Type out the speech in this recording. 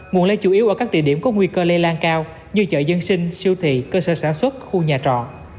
nguồn lây chủ yếu ở các địa điểm có nguy cơ lây lan cao như chợ dân sinh siêu thị cơ sở sản xuất khu nhà trọ